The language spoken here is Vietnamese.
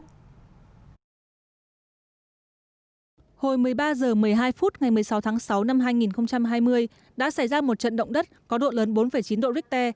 hồi một mươi ba h một mươi hai phút ngày một mươi sáu tháng sáu năm hai nghìn hai mươi đã xảy ra một trận động đất có độ lớn bốn chín độ richter